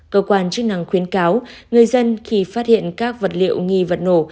cơ quan chức năng khuyến cáo người dân khi phát hiện các vật liệu nghi vật nổ